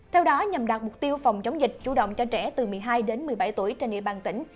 theo đó nhằm đạt mục tiêu phòng chống dịch chủ động cho trẻ từ một mươi hai đến một mươi bảy tuổi trên địa bàn tỉnh